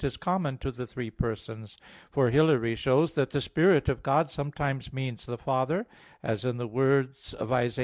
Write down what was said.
is common to the three persons; for Hilary (De Trin. viii) shows that the "Spirit of God" sometimes means the Father, as in the words of Isa.